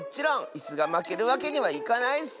いすがまけるわけにはいかないッス！